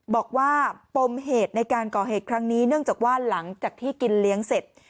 บอกว่าปมเหตุในการก่อเหตุครั้งนี้เนื่องจากว่าหลังจากที่กินเลี้ยงเสร็จ